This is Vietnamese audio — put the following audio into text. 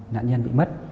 nạn nhân bị mất